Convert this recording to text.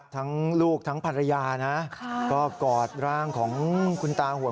ทั้งลูกทั้งภรรยานะก็กอดร่างของคุณตาหัว